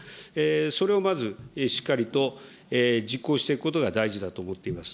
それをまずしっかりと実行していくことが大事だと思っております。